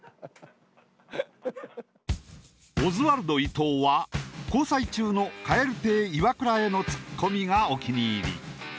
オズワルド伊藤は交際中の蛙亭イワクラへのツッコミがお気に入り。